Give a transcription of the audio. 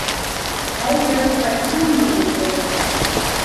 — Һау йөрөп ҡайттыңмы һуң, улым?